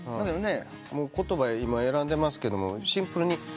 言葉今選んでますけどもシンプルに「誰？」